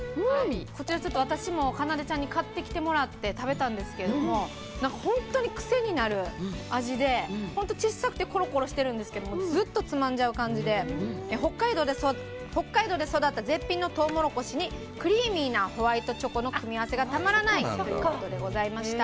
こちら、私もかなでちゃんに買ってきてもらって食べたんですけど本当に癖になる味で小さくてコロコロしてるんですけどずっとつまんじゃう感じで北海道で育った絶品のトウモロコシにクリーミーなホワイトチョコの組み合わせがたまらないということでございました。